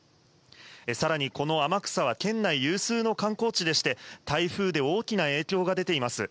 さらにこの天草は、県内有数の観光地でして、台風で大きな影響が出ています。